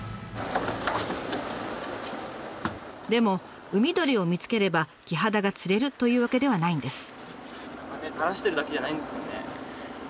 でも海鳥を見つければキハダが釣れるというわけではないんです。